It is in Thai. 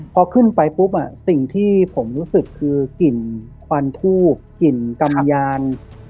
พอขึ้นไปปุ๊บสิ่งที่ผมรู้สึกคือกลิ่นควันทูบกลิ่นกำยาน